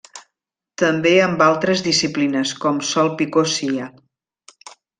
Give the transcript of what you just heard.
També amb altres disciplines, com Sol Picó Cia.